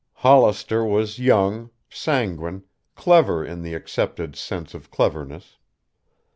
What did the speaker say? Hollister was young, sanguine, clever in the accepted sense of cleverness.